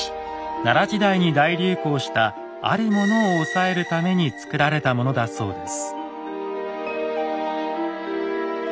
奈良時代に大流行したあるものを抑えるために作られたものだそうです。